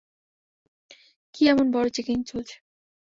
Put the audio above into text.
কী এমন বড় চেকিং চলছে?